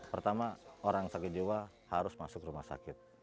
pertama orang sakit jiwa harus masuk rumah sakit